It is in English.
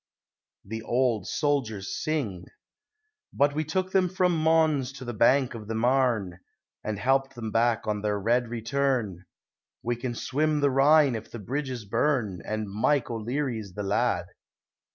THE OLD SOLDIERS SING: But we took them from Mons to the banks of the Marne, And helped them back on their red return; We can swim the Rhine if the bridges burn, And Mike O'Leary's the lad!